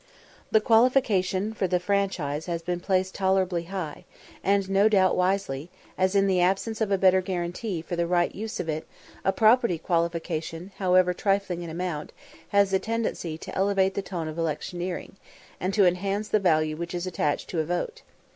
] The qualification for the franchise has been placed tolerably high, and no doubt wisely, as, in the absence of a better guarantee for the right use of it, a property qualification, however trifling in amount, has a tendency to elevate the tone of electioneering, and to enhance the value which is attached to a vote.